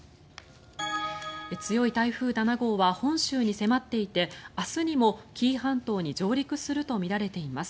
強い台風７号は本州に迫っていて明日にも紀伊半島に上陸するとみられています。